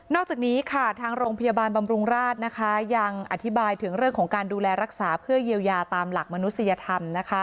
อกจากนี้ค่ะทางโรงพยาบาลบำรุงราชยังอธิบายถึงเรื่องของการดูแลรักษาเพื่อเยียวยาตามหลักมนุษยธรรม